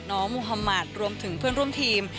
น้องมหมาตร์รวมถึงเพื่อนร่วมทีม